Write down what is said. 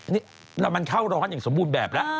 นี่มันเข้าร้อนอย่างสมบูรณ์แบบแล้ว